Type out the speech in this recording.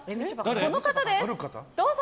この方です、どうぞ！